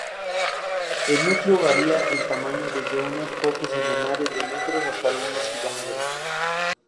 El núcleo varía en tamaño desde unos pocos centenares de metros hasta algunos kilómetros.